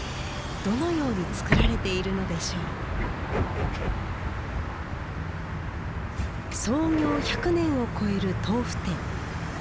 どのように作られているのでしょう創業１００年を超える豆腐店。